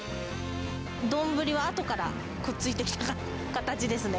丼はあとからくっついてきた形ですね。